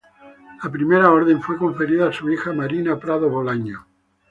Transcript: La primera orden fue conferida a su hija Marina Prado Bolaños.